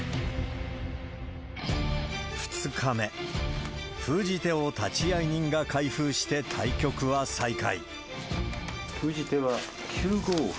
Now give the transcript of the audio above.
２日目、封じ手を立会人が開封して対局は再開。